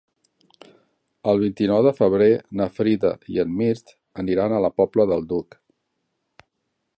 El vint-i-nou de febrer na Frida i en Mirt aniran a la Pobla del Duc.